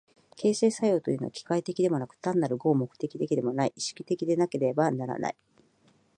形成作用というのは機械的でもなく単なる合目的的でもない、意識的でなければならない。